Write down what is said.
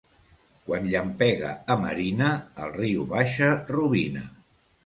Quan llampega a marina, el riu baixa rubina.